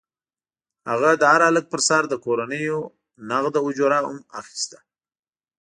هغه د هر هلک پر سر له کورنیو نغده اجوره هم اخیسته.